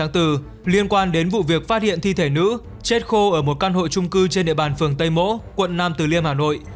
trên vụ việc phát hiện thi thể nữ chết khô ở một căn hộ trung cư trên địa bàn phường tây mỗ quận năm từ liêm hà nội